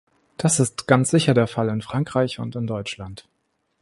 Das ist ganz sicher der Fall in Frankreich und in Deutschland.